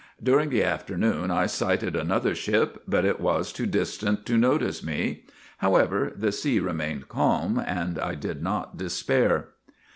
' During the afternoon I sighted another ship, but it was too distant to notice me. However, the sea remained calm and I did not despair.